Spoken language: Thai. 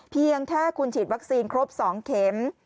เพียงแค่คุณฉีดวัคซีนครบ๒เข็ม